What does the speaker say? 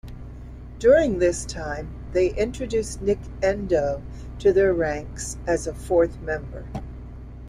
During this time they introduced Nic Endo to their ranks as a fourth member.